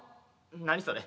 何それ。